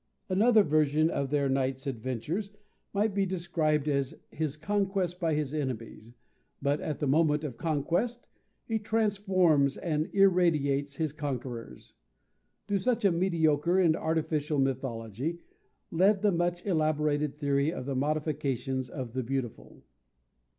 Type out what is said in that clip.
Another version of their knight's adventures might be described as his conquest by his enemies, but at the moment of conquest he transforms and irradiates his conquerors. To such a mediocre and artificial mythology led the much elaborated theory of the Modifications of the Beautiful.